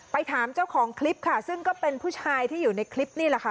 ถามเจ้าของคลิปค่ะซึ่งก็เป็นผู้ชายที่อยู่ในคลิปนี่แหละค่ะ